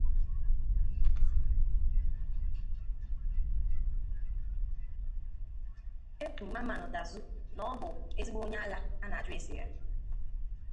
E kwuru Mamman Dazu na ọ bụ ezigbo onye agha ana aju ese ya.